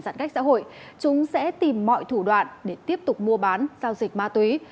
giãn cách xã hội chúng sẽ tìm mọi thủ đoạn để tiếp tục mua bán giao dịch ma túy